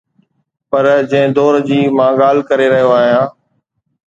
پر جنهن دور جي مان ڳالهه ڪري رهيو آهيان.